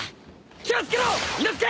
気を付けろ伊之助！